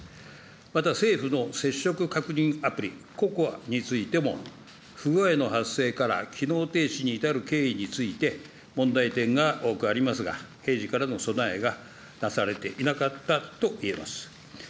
また、政府の接触確認アプリ、ＣＯＣＯＡについても、不具合の発生から機能停止に至る経緯について、問題点が多くありますが、平時からの備えがなされていなかったと言えます。